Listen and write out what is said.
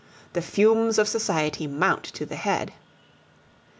The fumes of society mount to the head.